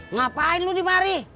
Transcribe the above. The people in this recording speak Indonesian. ngapain lo dimari